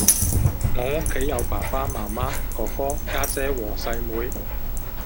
我屋企有爸爸媽媽，哥哥，家姐同細妹